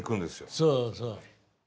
そうそう。